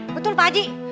betul pak haji